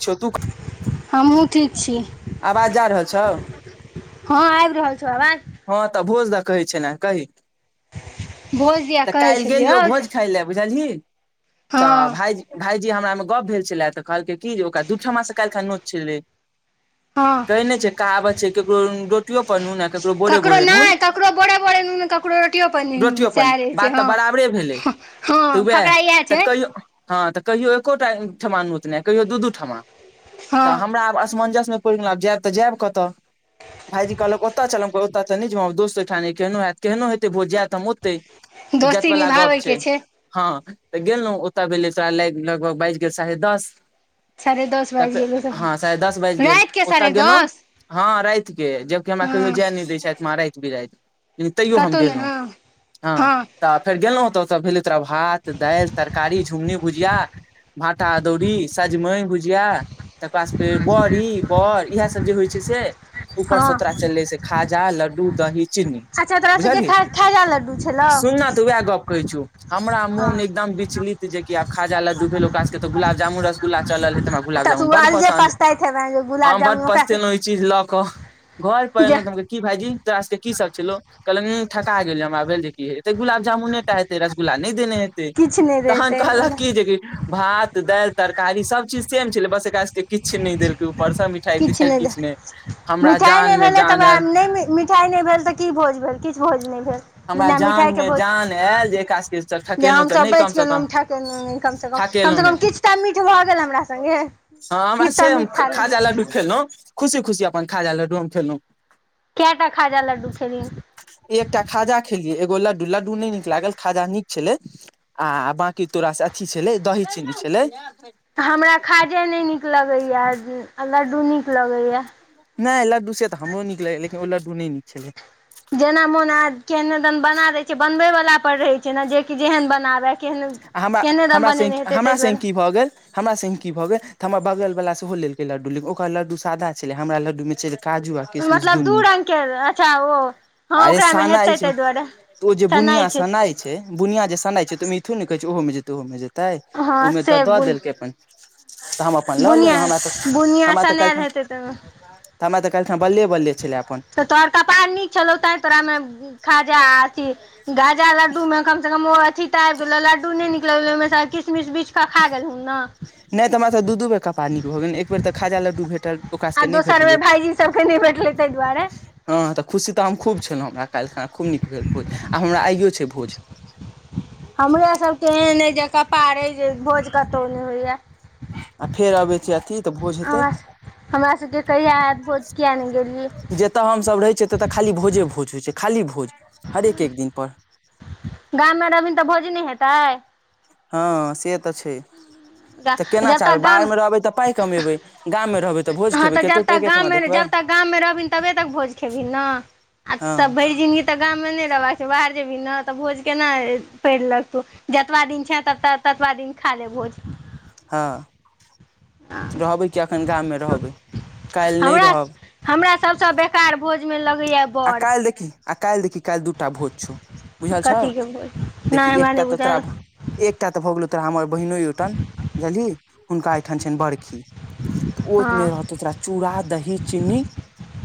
छौ तू हमहूँ ठीक छी आवाज जा रहल छौ हँ आबि रहल छौ आवाज हँ तऽ भोज दऽ कहै छैलह कही भोज दिया तऽ कहै काल्हि गेलियौ छलियौ जे भोज खाय लए बुझलही तऽ हँ भायजी भायजी हमरामे गप भेल छलै तऽ कहलकै कि जे ओकरा दू ठमासँ काल्हिखन नोत छलै हँ कहै नहि छै कहावत छै ककरो रोटियो पर नून आ के ककरो नहि ककरो बोरे बोरे नुन ककरो रोटियो पर नइ नून रोटियो पर सएह रहै छै बात तऽ हँ बराबरे भेलै हँ तऽ उएह फकरा इहै तऽ छै हँ तऽ कहियो एकोटा ठमा नत नहि कहियो दू दू ठमा तऽ हमरा हँ आब असमंजस मे पेर गेलब जायब तऽ जायब कतऽ भाईजी कहलक ओतऽ चल ओ तऽ नहि जेबै दस्त खाने केहनो हयत केहनो हे भोज जायत हम ओतय इज्जत दोस्ती वला गोप निभाबैके छै हँ तऽ गेलहुँ ओतय भेलै तोरा ल लगभग बाजि गेल सारे दस साढ़े दस बाजि तऽ गेलै हँ साे दस बाजि गेल रातिके ओतय साढ़े गेलहुँ दस हँ रातके जबकि हमरा कहियो हँ जाय नहि दै छैति हमरा रात बिराति तैयो हम कतहु नहि गेलहुँ हँ हँ तऽ फेर गेलहुँतऽ ओतय भेल तोरा भात दालि तरकारी झुमनी भुजिया भाटा दौरी सजमनि भुजिया तकरा बड़ी बड़ इह सब जे होइ छै से ऊपर से तोरा हँ चलले से खाजा लड्डू दही चीन्नी अच्छा तोरा सबके बुझलिय खा खाजा लड्डू छलौ सुनना तऽ वएह गप कहै छ हमरा हँ मोन एकदम विचलित। जे आब खाजा लद्दू भेल ओकराके गुब जामु रसगु्ला चल है तरा गुलाबामन बड़ पसन्द पास्तब [unintelligible] हम बड पसतेलहुं ई चीज लऽ क घर पर जे एलहु ' की भायजी तोरा सबके की सब छलो कहलक ई ठका गेल हमरा भेल जी गुलाब जामुने हेतै रसगुल्ला नहि देने हेतै किछु नहि तहन देतै कहलक ओकरा कि जे की भात दाल तरकारी सब चीज सेम छलै बस किछु नहि देलकै ऊपरस मिठाई तिठाई नहि दे किछु ने हमरा मिठाइ नहि जान मे भेलै तऽ जान ओकरा आयल नहि मिठाइ नहि भेल तऽ की भोज भेल किछ भोज नहि भेल बिना मिठाइके भोज नल जे काज [unintelligible] जे हमसब बचि केलहुँ हम ठकेलहुँ कमसँ कम कम ठकेलहुँ से नहि कम किछु टा मीठ भऽ गेल हमरा सङ्गे हँ हमरा किछु तऽ से हम मीठ खा खाजा लेब लड्डू खेलहुँ खुशी खुशी अपन खाजा लड्डू हम खेलो कयटा खाजा लड्डू खेलीय एकटा खाजा खेलियै एगो लड्डू लड्डू नहि नीक लागल खाजा नीक छलै आ बकी तोराासँ अथी छलै दही चीनी छलै। तऽ हमरा खाजे नहि नीक लगैया लड्डू नीक लगैय नहि लड्डू से तऽ हमरो नीक लगैए लेकिन ओ लड्डू नहि नीक छलै। जेना मोन आज केहने दन बना देे छै बनवे वाला पर रहे छै ने जे कि जेहन बनाबे आ हमरा हमरा संगे हमरा संगे दुआरे की भऽ गेल हमरा संगे की भऽ गेल तऽ हमर बगल बला सेहो लेलकै लड्डू लेक ओकर लड्डू सादा छलै हमरा लड्डूमे चल काजू आ किशमिश मतलब दू दुनू रंग के अच्छा ओ हँ अरे ओकरा मे सनाइ हेतै छै ताहि दुआरे तो जे बुनिया सनाइ छै बुनिया जे सनाइ छै त ओमे जेै ओहोमे जेतै हँ ओमे तऽ से दऽ बुन देलकै अपन तऽ हम [unintelligible] अपन लऽ बुनिया ललेम हमरा त बुनिया हमरा तऽ कल सनायल हेतै तमे हमरा तऽ कलखुना बले बले छलै अपन तोड़का पान [unintelligible] चल होता है तोरामे खाजा अथी [unintelligible] गाजा लड्डूमे कमसँ कम ओ अथी आबि गेलहु लड्डू नहि नीक लगलै ओहिमे किसमिश बिछ कऽ खा गेलहुँ ने नहि तऽ हमरा सभ दू दू बेर कापड़ नीक भ गेल एक बेर तऽ खाज लडडु भेटल ओकरा आ सबके नहि दोसर बे भेटलै भाईजी सबके नहि भेठले तय दुआरे हँ तऽ खुशी तऽ हम खूब छलहुँ हमरा काल्हि खना खूब नीक भेल भोज आ हमरा आइो छै भोज ' हमरा सभके एहन अइ जे कपार अइ जे भोज कतहु नहि होइए फेर अबै छी अथी तऽ भोज हेतै हमरा हमरा सबके कहिय भोज किया नहि गेलियै जतऽ हमसभ रहै छियै ततऽ खाली भोजे भोज होइ छै खाली भोज हरेक एक दिन पर गाममे रहभीन तऽ भोज नहि हेतै हँ से तऽ छै तऽ केना जब तक चाहबै गाम बाहर मे रहबै तऽ पाइ कमेबै गाममे, रहबै भोज हँ खेबै तऽ कतौ जबतक एकेठमा गाममे देखबै जबतक गाममे रहबी तबे तक भोज खेबी ने ' आ त हँ भरि जिनगी तऽ गाममे नहि रहबाका छै, बाहर जेबही ने तऽ भोज केना पढ़ लक तौ। जतबा दिन छै, तबा दिन खा ले भोज। हँ, रहबै कि एखन गाममे रहबै काल्हि नहि हमरा रहब। हमरा सभसँ बेकार भोजमे लग। आ काल देखी। आ काल्हि देखि काल्हि दूटा भोज छौ, बुझल छौ, कथीके भोज देखि नहि हमरा एकटा नहि तऽ तोरा। बुझल एकटा तऽ भऽ गेलौ तोरा हमर बहिनो ओठनि बझलि हुनका एहिठाम छनि बड़खी। तऽ ओमे हँ रहतौ तोरा चूड़ा दही चीनी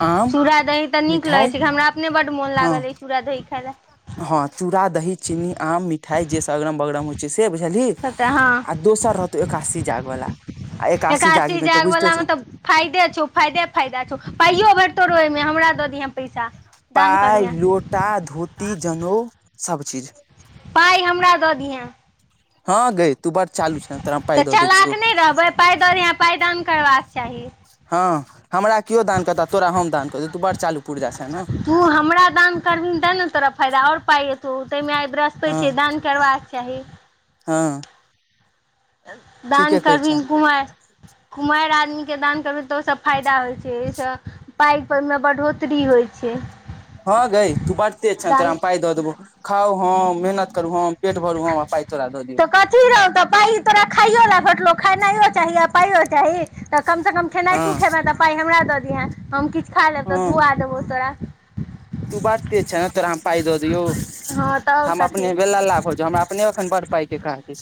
आम। चूड़ा दही तऽ नीक मिठाइ लगैत छै, हमरा अपने बड़ मन हँ लागल अछि चूड़ा दही खाय ल। हँ, चूड़ा दही चीनी आम मिठाइ जेसभ अगरम बगरम होइ छै, से बुझली। लए तऽ हँ आ दोसर रहतौ एकासी जाग वाला आ एकासी जागमे हजार तऽ बुझते वाला मे छौ फायदे छौ, फायदे फायदाे छौ, पाइयो भटतौ रहौ हिमे हमरा दऽ दिहे पैसा। दान पाइ करिहे लोटा धोती जनेउ सभ चीज। पाइ हमरा दऽ दिहे। हँ, गय तू बार चलू। तऽ चलके नहि रहबै पैदल याँ पैदान करबाक चाही। हँ, हमरा केओ दान करताह, तोरा हम दान करतौ। तू बड़ चालू-पुर्जा छऽ ने। तू हमरा दान करबे ने, तऽ तोरा फायदा आओर पायतऽ आ बस्ता हँ दऽ। करबाक चाही। हँ। दान ठीके कहै छै करवीन कुमार। कुमारी आदमीके दान करबै तऽ ओसभ फायदा होइ छै, एहिसँ। पाइ परमे बढ़ोतरी होइ छै। हँ गे, तू बड़ तेज छे ने, तोरा दान हम पाइ दऽ देबो। खाउ, हम मेहनत करू, हम पेट भरू, हम पाइ तोरा दऽ दियौ। तऽ कथी रहौ? तऽ पाइ तोरा खाइयो लऽ भेटलौ, खेनाइयो चाही आ पाइयो चाही तऽ कमसँ कम। खेनाइ तू हँ खेबह तऽ पाइ हमरा दऽ दिहे, हम किछु खा लेब तऽ हँ दुआ देबौ तोरा। तू बात तेज छे ने तोरा हम पााय दऽ दियौ हँ तऽ आओर हम कथी अपने वेला भऽ जाउ हमरा। अपने ओखन बड़ पाइके कह द।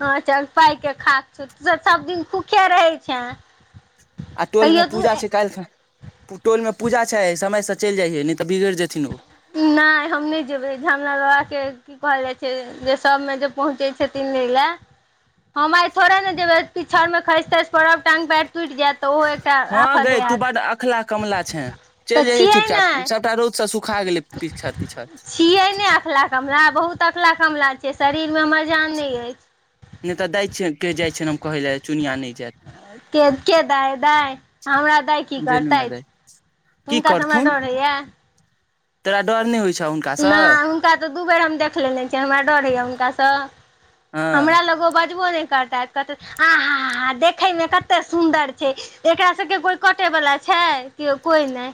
हँ, चल पाय मके खा छौ सभदिन भूखे रहै छै। आ टोलमे पूजा छै, काल्हि खन। टोलमे पूजा छै, समयसँ चलि जइयै नहि तऽ बिगड़ जेथिन ओ। नहि हम नहि जेबै झामला बाबाके की कहल जाइ छै, जे सभमे जे पहुँचै छथिन लएले। हम आइ थोड़े ने देबै पिछड़मे खसि तसि परब टांग पैर। हँ, गई तू बड़ अखला कमला छै चलि तऽ जयये छियै चुपचाप नहि सभटा। सभ सुखा गेलै पिकछड़ तिकछड़। छियै नहि, अखन कमरा बहुत अखरा-कमला छियै, शरीरमे हमर जान नहि अछि। नहि तऽ दै छियै, जाइ छियनि। हम कहै लए चुनिआ नहि जायत। के-के दै, दै? हमरा दै की जेनू करतै? मे दै की हुनकासँ हमरा करथुन डर होइये तोरा डर नहि होइ छै हुनकासँ। नहि हुनका तऽ दू बेर हम देख लेने छै छीयैन हमराड र होइया हुनकासँ। हमरा हँ लगो बजबो नहि करता आहा देखेमे कते सुन्दर छै। एकरा सभके कोई कटे वला छै, के कोई नहि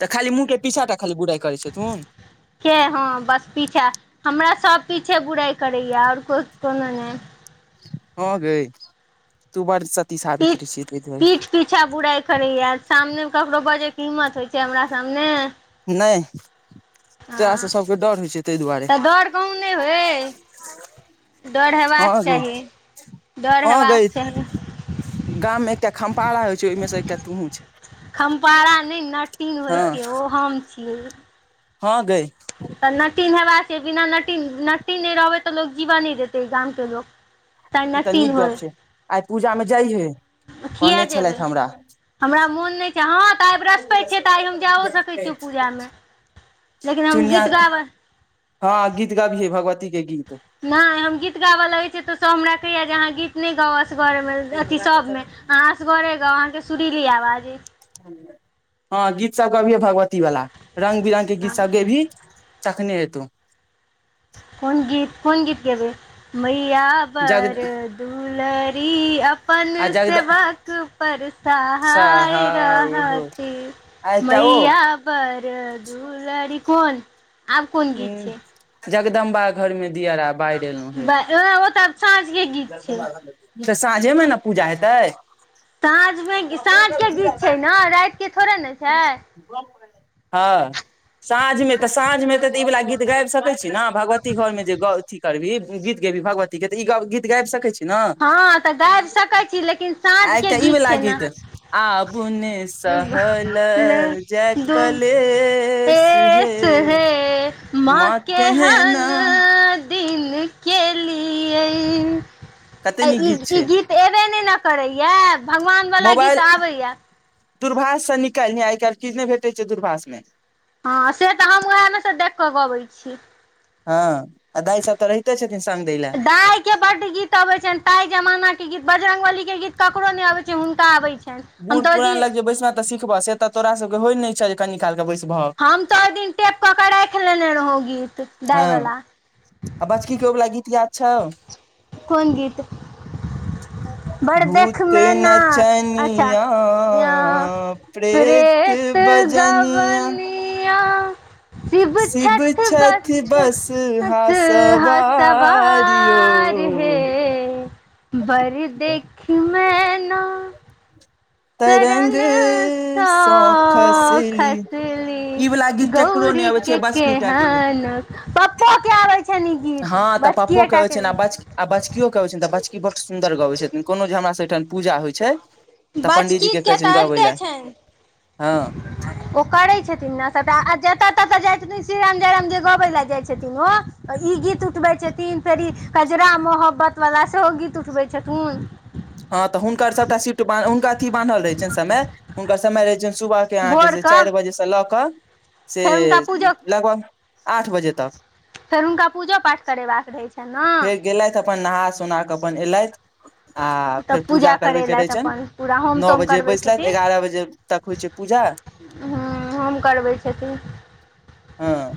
तऽ खाली मुँह पिछाटा खाली बुराइ करै छै तूँ। के हँ बस पीसा हमरा सभ पीछे बुराइ करैया आओर के कोनो नहि। हैं, गै तू बड़। पीठ सावित्री छिही ताहि दुआरे पीठ पीछा बुराइ करैया सामने मे ककरो बजे के हिम्मत होइ से हमरा सामने नहि आ तोरा से सबके डर होइ छै ताहि दुआरे तऽ डर कहूँ नहि होय डर हँ हेबाक गै चाही डर हँ गै हेबाक चाही गाम मे एकटा खम्पारा होइ छै ओहिमे से एकटा तुहू छै खम्पारा नहि नटीन होइ हँ छै ओ हम छियै हँ गै तऽ नटिन हेबाका छै बिना नटिन नटिन नहि रहबै तऽ लोक जीवअ नै देतै गाम के लोक ई तऽ नटिन नीक होय गप छै आइ पूजामे जाइहे किया कहने जेबै छलैथ हमरा हमरा मोन नहि छै हँ तऽ आइ वृहस्पत छै तऽ आइ हम जायओ सकैत छीयै पूजामे लेकिन हम चुनिया गीत गाबै हँ गीत गाबी है भगवती के गीत नहि हम गीत गाबऽ लगै छी तऽ सब हमरा कहैया जे अहाँ गीत नहि गाब असगर मे अथी सब अ है असगरे गाव अहाँ के सुुरली आवाज अय हँ गीत सब गबियौ भगवती वाला र्ंग बिरंग के गीत सब गेबही तखने हेतो कोन गीत कोन गीत गेबै मैैया जग बर दुलरी अपन आ जगद सेवक पर सहाय रहती आइ एकटा ओ मैया बड़ दुलड़ी कोन आब कोन ह गीत छै ‍जगदम्बा घर मे दियरा ओ तऽ साँझ के गीत छै [unintelligible] तऽ साँझे मे ने पूजा हेतै साँझमे साँझके गीत छैय न रातिके थोड़े न छैय हँ साँझ मे त साँझ मे त ई वाला गीत गाबि सकै छी भगवती घर मे जे गौ अथी करबी गीत गेबही भगवती के त ई गीत गैब सकैत छी हँ तऽ गाबि सकै छी लेकिन साँझ आ के एकटा ई वला छै गीत ने आब नैय स सहल जाय दू कलेस ए हे सुहे माँ केहन दिन केलियै आ कते नीक ई ई छै गीत एबे नय ने करैए भगवानवला गीत आबैए दूरभास से निकैल लीहअ आय कैल नहि भेटैत छै दूरभाषमे हँ से त हम उएह मे से देख क गबै छी हँ आ दाइ सब त रहिते छथिन संग दै लए दाइके बड गीत अबैत छनि ताइ जमानाके गीत बजरंगबलीके गीत ककरो नहि अबैत छै हुनका अबैत छैनि बूढ़ पुरान लग जे बैसबह त सिखबह से त तोरा सभके होइ नैय छह जे कनि कालके बैस बह हम त ओहि दिन टेप क के राखि लेने रहौ गीत दाइ हँ वला आ बाजकी के ओ वला गीत याद छौ कोन गीत बड़ देख भूत मेना अच्छा नचनिया य प्रेत गबनिया शिव छैठ छथि बच बस हा त ह सवारियो सवार हे बड़ देखी मै तरंग शरण सँ खसली ई वला खसली गीत केकरो नहि गौरी आबै के छैय बस गीता के केहन पप्पो के आबै छैन ई गीत हँ तऽ पप्पो बचकिए टा अबै के छनि आ न बच आ बचकियो के अबै छनि त बचकी बड सुन्दर गबै छथिन कोनो जे हमरा सबहिठाम पूजा होइ छै त बचकी पंडीजीके के कहै छनि तऽ गबै अबिते लए छनि हँ ओ करै छथिन ने सभटा आ जत तत जाइ छथिन श्रीराम जयराम जे गबै लए जाइ छथिन ओ ई गीत उठबैत छथिन फेर ई कजरा मोहब्बतवला सेहो गीत उठबैत छथिन हँ त हुनकर सभटा सीफट बा हुनका अथी बान्हल रहै छनि समय हुनकर समय रहैत छनि सुबह के अहाँकेँ से भोरके चारि बजे से लऽ कऽ से फेर हुनका पूजो लगभग आठ बजे तक। फेर हुनका पूजो पाठ करेबाक रहै छैय न। गेलैथ अपन नहा सुना कऽ अपन एलैथ। आ तऽ फेर पूजा करबयके रहैत करेलथि छनि, अपन पूरा होम नओ तोम बजे करबै बैसलैथ छथिन एगारह बजे तक होइत छैय, पूजा। [inaudible] हूँ होम करबै छथिन। हँ,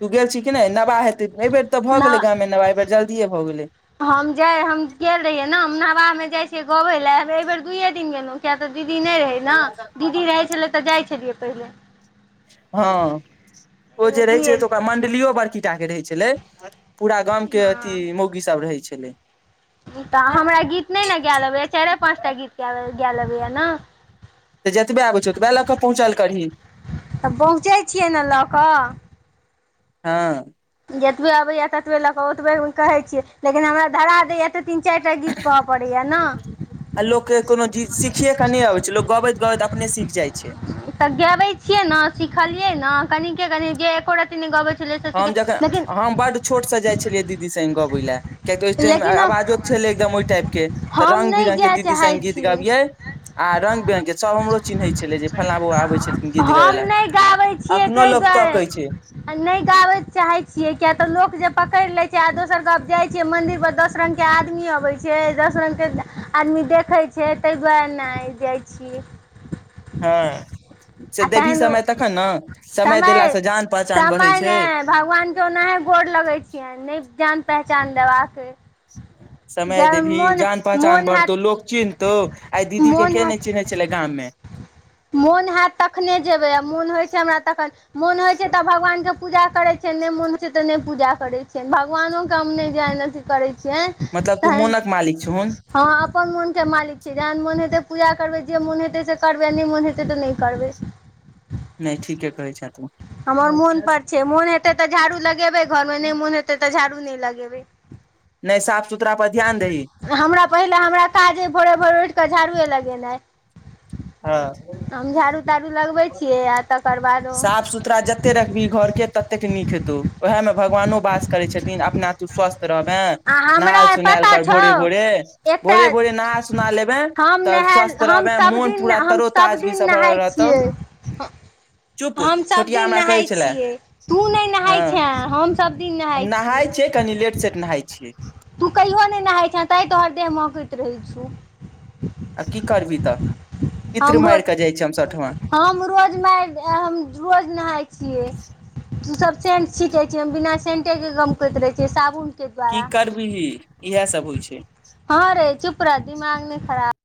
तू गेल छी कि नहि नवाह हेतै एहि बेर तऽ भऽ न गेलै। मे नेयब जल्दिए भऽ गेलै। हम जाय हम गेल रहियै ने हम नवामे जाय छियै गबे लेए बेर दुये दिन गेलहुं किया तऽ दीदी नहि रहे। ने दीदी रहै छलै, तऽ जाइ छलियै पहिले। हँ, ओ एहि बेर जे रहैत छलै, दुइए तऽ ओकरा मण्डलियो बड़की टाके रहै छलै। पूरा गामके अथि हँ मौगीसभ रहै छलै। ई तऽ हमरा गीत नहि ने गाए अबैया चारि पाँच टा गीत गा अबैया न। तऽ जतबे आबै छैय, ओतबे लऽ कऽ पहुँचल करही। तऽ पहुँचै छियै, न लऽ कऽ। हँ। जतबे अबैया तबे लऽ कऽ ओतबे कहै छियै, लेकिन हमरा धरा दैए तऽ तीन चारि टा गीत। कोह पड़ैया न। आ लोक के कोनो चीज सिखियएके नहि अबे छैय, लोकग गबैत गबैत अपने सीख जाय छैय। तऽ गेबै छियै, ने सिखलियै ने कने कनि जे एको गबै छलै, लेकिन। छोट से जाइ छलियै दीदी संध गबे लए कियकि ओहि टाइम लेकिन आवाजो छलै एकदम ओहि टाइप। के हम रंग नहि बिरंगके जाय दीदी सँ चाहै गीत छियै गबिये आ रंग बिरंग के सभ हमरो चिन्है छै। छले जे फल्ला बौ आबै छलखिन, गीत गाबै हम लए नहि अखनो लोको तकै छै। आ नहि गाबय चाहैत छियै, किया तऽ लोक जे पकड़ि लैत छै, आ दोसर गप जाइ छियै, मंन्दिर पर दस रंगके आदमी अबे छै, दस रंगके आदमी देखे। छै ताइ दुआरे नहि जाइ छिये हँ। से देबी तहन समय तखने समय देलासँ जान पहचान बढ़ै छै। केनाहे गोर लगे छियै, नहि जान पहचान देबाकऽ। समय देबी जान पहचान बढ़तौ हैत लोग चिन्हतौ आइ दीदीके मोन के हैत नहि चिन्है छले गाममे। मोन हैत तखने जेबै, आ मोन होइत छैय, हमरा तखन। मोन होइत छैय, तऽ भगवानके पूजा करैत छिय नहि मोन होइत छै, तऽ नहि पूजा करैत छियनि भगवानोके हम नहि जान। करै छियै मतलब तू तहन। मोनक मालिक छहुन हम अपन मोनके मालिक छै, जे मोन हेते त पूजा करबे जे मोन हेते तो नय करबै। नहि हेत तऽ नहि करबै। नहि, ठीके कहै छै तू। हमर मोन पर छै, मोन हेतै तऽ झाड़ू लगेबै घरमे नहि मोन हेतै तऽ झाड़ू नहि लगेबै। नहि, साफ सुथरा पर ध्यान दही। हमरा पहिले हमरा काज भोरे भोरे उठि कऽ झाड़ूए लगेनाइ। हँ हम झाड़ू ताड़ू लगबै छियै, आ तकर बादो साफ़ सुथरा जत। त रखबी घरके ततेक नीक हेतौ उएहमे भगवानो वास करै छथिन अपना। तू स्वस्थ रहबे आ हमरा नहायए सोनायएल पता कर छौ भोरे एकटा भोरे भोरे नहा सोना लेबे। हम तऽ नहाय स्वस्थ हम रहबै सब मोन दिन पूरा हम तरो सब दिन ताजगीसँ भरल नहाय रहतौ। छियै चुप हम सब छोटिया दिन हमरा कहै नहाय छले, छियै तू नहि हँ, नहाय छे हम सब दिन नहाय हम छियै नहााय छै। कनि लेट सेट नहााय छियै। तू कहियो नहि नहााय छे, तें तोहर देह मौकैत रहै छै। आ की करबी तऽ चित्र हम मारिके रोज जाइ छी हमसभ ओठमा। हम रोज मार हम रोज नहााय छियै। तू सब सेंट छीटे छिय बिना सेंटे के काम करैत रहे छियै साबुन के की द्वारा। इएह सब होइ छै। हँ रे चुप रह दिमाग नहि खराब